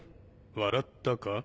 笑ったか？